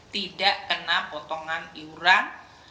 tidak kena potongan iuran